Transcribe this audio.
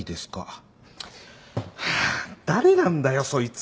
ハァ誰なんだよそいつ！